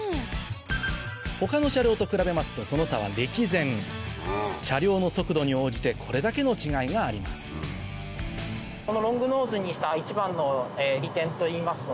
他の車両と比べますとその差は歴然車両の速度に応じてこれだけの違いがありますためです。